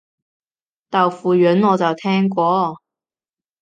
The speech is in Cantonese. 豆腐膶我就聽過